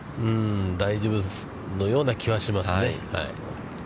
大丈夫のような気はしますね。